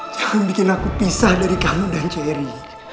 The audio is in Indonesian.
jangan bikin aku pisah dari kamu dan cherry